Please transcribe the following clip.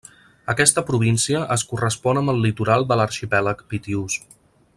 Aquesta província es correspon amb el litoral de l'arxipèlag pitiús.